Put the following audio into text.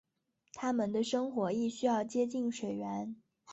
它们的生活亦需要接近水源。